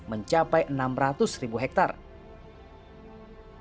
mencapai enam ratus ribu hektare